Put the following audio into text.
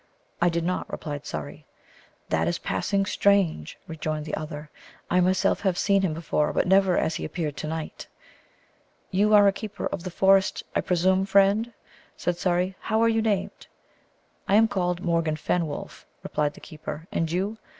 "I did not," replied Surrey. "That is passing strange," rejoined the other. "I myself have seen him before, but never as he appeared to night." "You are a keeper of the forest, I presume, friend?" said Surrey. "How are you named?" "I am called Morgan Fenwolf," replied the keeper; "and you?"